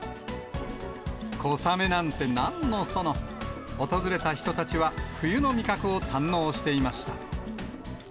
小雨なんてなんのその、訪れた人たちは、冬の味覚を堪能していました。